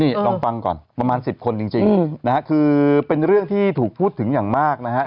นี่ลองฟังก่อนประมาณ๑๐คนจริงนะฮะคือเป็นเรื่องที่ถูกพูดถึงอย่างมากนะฮะ